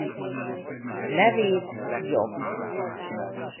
Nevét Joh.